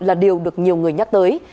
là điều được nhiều người nhắc tới